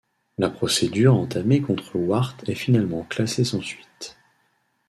La procédure entamée contre Ouart est finalement classée sans suite.